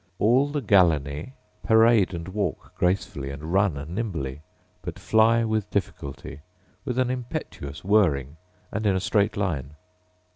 All the gallinae parade and walk gracefully, and run nimbly; but fly with difficulty, with an impetuous whirring, and in a straight line.